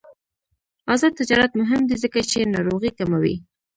آزاد تجارت مهم دی ځکه چې ناروغۍ کموي.